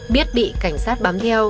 biết bị cảnh sát bám theo